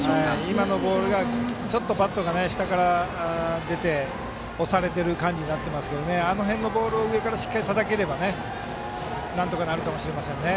今のボールがちょっとバットが下から出て押されてる感じになってますけどあの辺のボールを上から、しっかりたたければなんとかなるかもしれませんね。